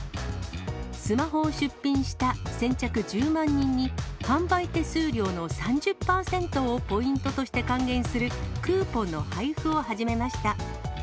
スマホを出品した先着１０万人に販売手数料の３０％をポイントとして還元するクーポンの配布を始めました。